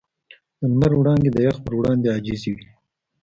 د لمر وړانګې د یخ پر وړاندې عاجزې وې.